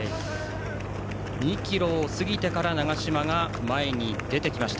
２ｋｍを過ぎてから長嶋が前に出てきました。